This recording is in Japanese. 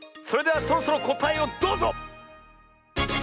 それではそろそろこたえをどうぞ！